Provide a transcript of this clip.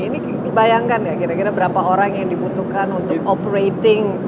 ini dibayangkan gak kira kira berapa orang yang dibutuhkan untuk operating